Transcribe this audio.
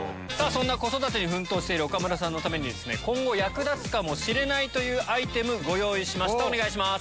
そんな子育てに奮闘している岡村さんのために今後役立つかもしれないアイテムご用意しましたお願いします。